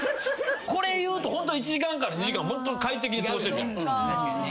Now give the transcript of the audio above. これ言うとホント１時間から２時間快適に過ごせるじゃないですか。